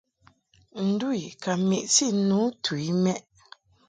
Ndu I ka meʼti ŋgɔŋ nu tu i mɛʼ.